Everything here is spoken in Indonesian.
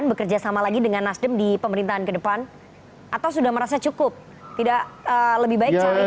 bekerja sama lagi dengan nasdem di pemerintahan kedepan atau sudah merasa cukup tidak lebih baik